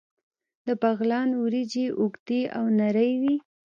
د بغلان وریجې اوږدې او نرۍ وي.